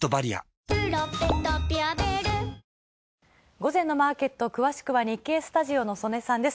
午前のマーケット、詳しくは、日経スタジオの曽根さんです。